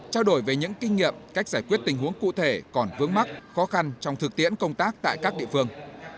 trao đổi về những kinh nghiệm cách giải quyết tình huống cụ thể còn vướng mắc khó khăn trong thực tiễn công tác tại các địa phương